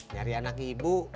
cari anak ibu